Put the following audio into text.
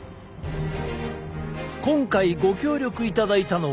今回ご協力いただいたのは。